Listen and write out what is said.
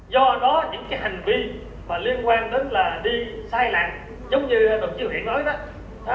do đó những cái hành vi liên quan đến là đi sai lạc giống như đồng chí hiện nói đó